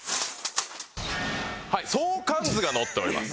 相関図が載っております。